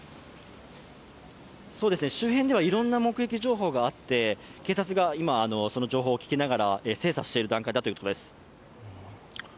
周辺ではいろんな目撃情報があって警察が今、その情報を聞きながら精査している段階だということです。